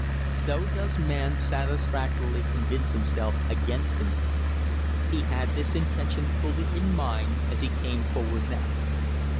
So does man satisfactorily convince himself against himself. He had this intention fully in mind as he came forward now.